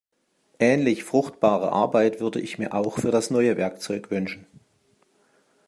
Ähnlich fruchtbare Arbeit würde ich mir auch für das neue Werkzeug wünschen.